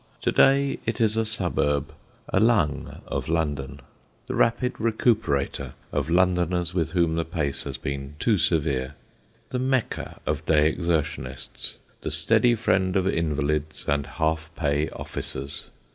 To day it is a suburb, a lung, of London; the rapid recuperator of Londoners with whom the pace has been too severe; the Mecca of day excursionists, the steady friend of invalids and half pay officers.